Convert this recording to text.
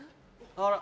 あら。